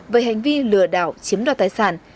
về hành vi lừa đảo chiếm đoạt tài sản